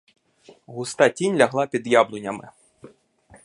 Густа тінь лягла під яблунями.